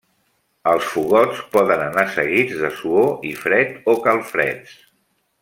Els fogots poden anar seguits de suor i fred o calfreds.